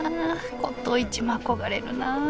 骨董市も憧れるなあ